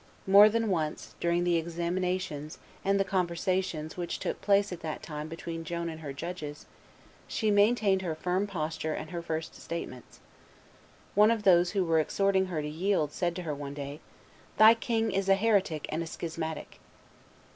More than once, during the examinations and the conversations which took place at that time between Joan and her judges, she maintained her firm posture and her first statements. One of those who were exhorting her to yield said to her one day, "Thy king is a heretic and a schismatic."